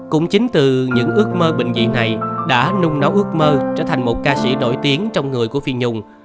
cũng chính từ những ước mơ bệnh viện này đã nung nấu ước mơ trở thành một ca sĩ nổi tiếng trong người của phi nhung